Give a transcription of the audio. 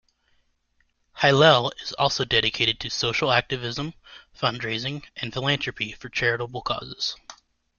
Hillel is also dedicated to social activism, fundraising, and philanthropy for charitable causes.